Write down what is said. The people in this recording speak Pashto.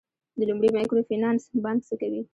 د لومړي مایکرو فینانس بانک څه کوي؟